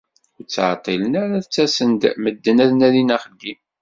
Ur ttεeṭṭilen ara ttasen-d medden ad nadin axeddim.